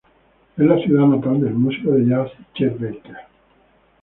Es la ciudad natal del músico de jazz Chet Baker.